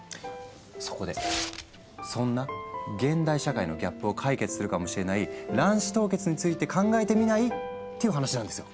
そこでそんな現代社会のギャップを解決するかもしれない卵子凍結について考えてみない？っていう話なんですよ。